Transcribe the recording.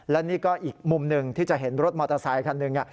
และนี่ก็อีกมุมหนึ่งที่จะเห็นรถมอเตอร์ไซคันหนึ่ง